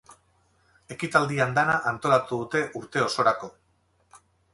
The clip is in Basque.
Ekitaldi andana antolatu dute urte osorako.